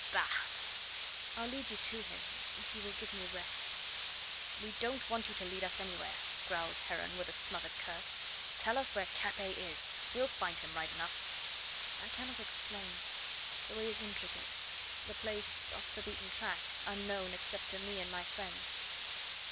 "Bah!" "I'll lead you to him, if you will give me rest." "We don't want you to lead us anywhere," growled Heron with a smothered curse; "tell us where Capet is; we'll find him right enough." "I cannot explain; the way is intricate; the place off the beaten track, unknown except to me and my friends."